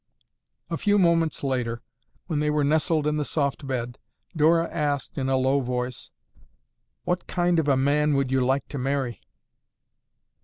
A few moments later, when they were nestled in the soft bed, Dora asked in a low voice, "What kind of a man would you like to marry?"